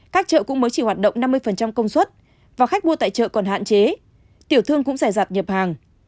các chợ cũng mới chỉ hoạt động năm mươi công suất và khách mua tại chợ còn hạn chế tiểu thương cũng rẻ rạt nhập hàng